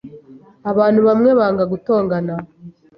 Abantu bamwe banga gutongana.